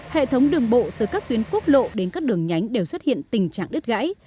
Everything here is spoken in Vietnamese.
hệ thống đường bộ từ các tuyến quốc lộ đến các đường nhánh đều xuất hiện tình trạng đứt gãy